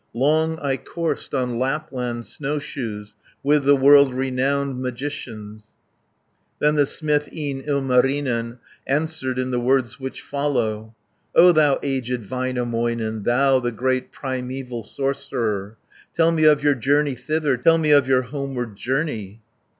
Long I coursed on Lapland snowshoes, With the world renowned magicians." Then the smith, e'en Ilmarinen, Answered in the words which follow: "O thou aged Väinämöinen, Thou the great primeval sorcerer. Tell me of your journey thither; Tell me of your homeward journey."